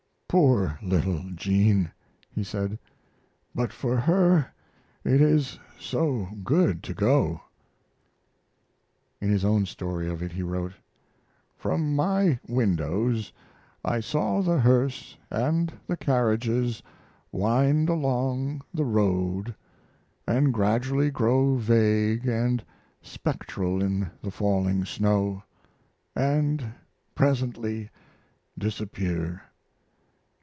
"Poor little Jean," he said; "but for her it is so good to go." In his own story of it he wrote: From my windows I saw the hearse and the carriages wind along the road and gradually grow vague and spectral in the falling snow, and presently disappear.